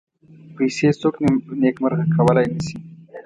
پیسې څوک نېکمرغه کولای نه شي.